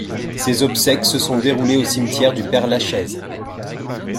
Ses obsèques se sont déroulées au cimetière du Père-Lachaise.